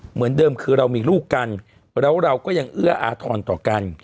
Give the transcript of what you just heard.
เหมือนเดิมคือเรามีลูกกันแล้วเราก็ยังเอื้ออาทรต่อกัน